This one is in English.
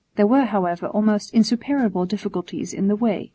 There were, however, almost insuperable difficulties in the way.